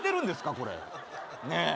これねえ